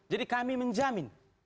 jadi kami menjamin